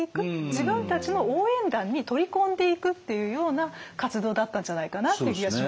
自分たちの応援団に取り込んでいくっていうような活動だったんじゃないかなっていう気がしますね。